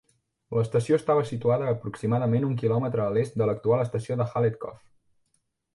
L'estació estava situada aproximadament un quilòmetre a l'est de l'actual estació de Hallett Cove.